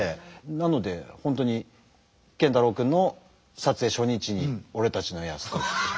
なので本当に健太郎君の撮影初日に「俺たちの泰時」っていう。